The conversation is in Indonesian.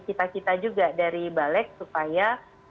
cita cita juga dari balik supaya